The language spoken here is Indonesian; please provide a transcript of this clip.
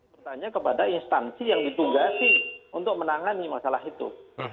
bertanya kepada instansi yang ditugasi untuk menangani masalah itu